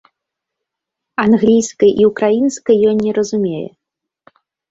Англійскай і ўкраінскай ён не разумее.